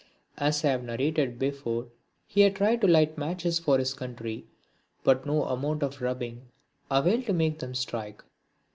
As I have narrated before, he had tried to light matches for his country, but no amount of rubbing availed to make them strike.